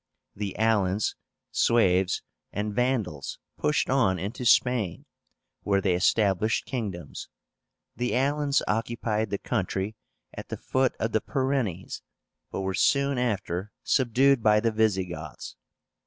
The Alans, Sueves, and Vandals pushed on into Spain, where they established kingdoms. The Alans occupied the country at the foot of the Pyrenees, but were soon after subdued by the Visigoths.